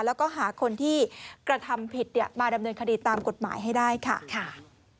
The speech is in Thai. แล้วก็หาคนที่กระทำผิดมาดำเนินคดีตามกฎหมายให้ได้ค่ะ